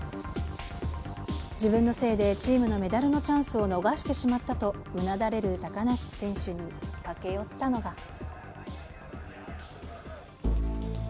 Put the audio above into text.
自分のせいでチームのメダルのチャンスを逃してしまったと、うなだれる高梨選手に駆け寄ったのが。